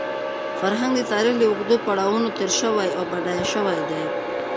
فرهنګ د تاریخ له اوږدو پړاوونو تېر شوی او بډایه شوی دی.